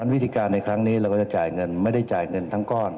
วิธีการในครั้งนี้เราก็จะจ่ายเงินไม่ได้จ่ายเงินทั้งก้อน